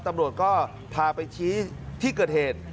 ตำรวจก็พาไปชี้ที่เกิดเหตุ